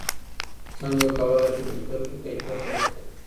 څنګه کولای شو د زده کړې کیفیت لوړ کړو؟